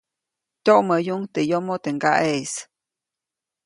Tyoʼmäyuʼuŋ teʼ yomo teʼ ŋgaʼeʼis.